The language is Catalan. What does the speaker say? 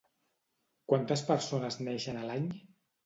Quantes persones neixen a l'any?